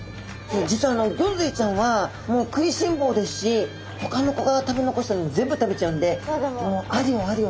実はギョンズイちゃんは食いしん坊ですしほかの子が食べ残したものを全部食べちゃうんであれよ